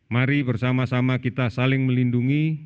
mari bersama sama kita saling melindungi